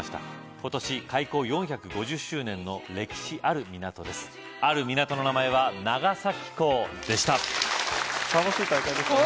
今年開港４５０周年の歴史ある港ですある港の名前は長崎港でした楽しい大会でしたね